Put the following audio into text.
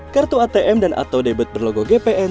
kartu atm dan atau debet berlogo gpn